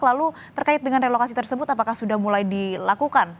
lalu terkait dengan relokasi tersebut apakah sudah mulai dilakukan